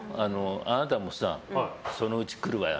あなたもさ、そのうち来るわよ